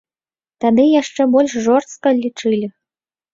Тады яшчэ больш жорстка лічылі.